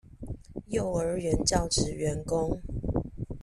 幼兒園教職員工